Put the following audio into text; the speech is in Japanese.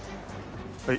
はい。